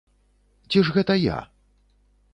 Ці ж гэта я?!